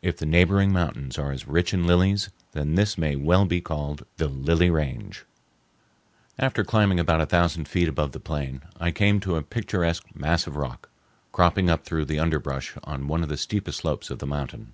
If the neighboring mountains are as rich in lilies, then this may well be called the Lily Range. After climbing about a thousand feet above the plain I came to a picturesque mass of rock, cropping up through the underbrush on one of the steepest slopes of the mountain.